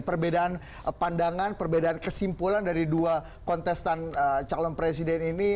perbedaan pandangan perbedaan kesimpulan dari dua kontestan calon presiden ini